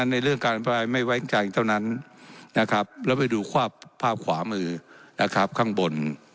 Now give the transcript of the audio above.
ในเรื่องการอภิปรายไม่ไว้ใจเท่านั้นนะครับแล้วไปดูภาพขวามือนะครับข้างบน